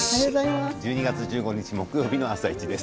１２月１５日木曜日の「あさイチ」です。